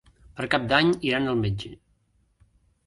Per Cap d'Any iran al metge.